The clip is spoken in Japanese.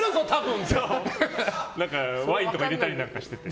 ワインとか入れたりしてて。